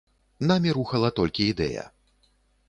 Намі рухала толькі ідэя.